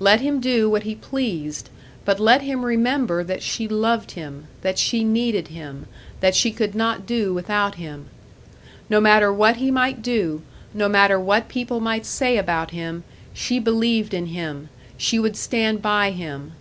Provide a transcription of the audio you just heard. Let him do what he pleased but let him remember that she loved him, that she needed him, that she could not do without him. No matter what he might do, no matter what people might say about him, she believed in him, she would stand by him.